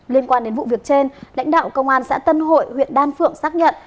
liên quan đến vụ việc trên lãnh đạo công an xã tân hội huyện đan phượng xác nhận